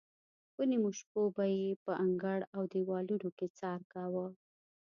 په نیمو شپو به یې په انګړ او دیوالونو کې څار کاوه.